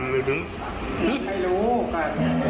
ไม่รู้ครับ